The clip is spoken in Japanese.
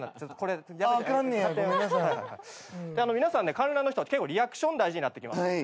皆さん観覧の人はリアクション大事になってきます。